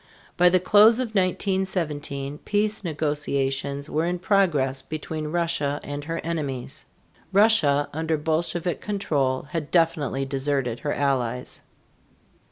By the close of 1917 peace negotiations were in progress between Russia and her enemies. Russia under Bolshevik control had definitely deserted her allies.